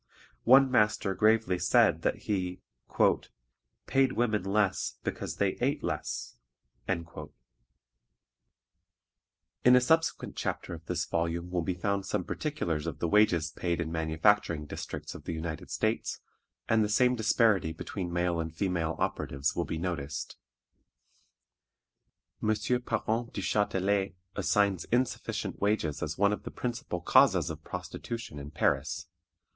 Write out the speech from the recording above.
One master gravely said that he "paid women less because they ate less." In a subsequent chapter of this volume will be found some particulars of the wages paid in manufacturing districts of the United States, and the same disparity between male and female operatives will be noticed. M. Parent Duchatelet assigns insufficient wages as one of the principal causes of prostitution in Paris.